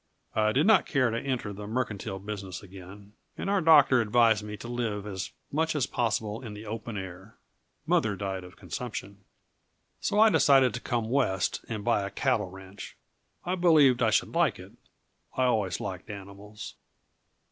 I did not care to enter the mercantile business again, and our doctor advised me to live as much as possible in the open air. Mother died of consumption. So I decided to come West and buy a cattle ranch. I believed I should like it. I always liked animals."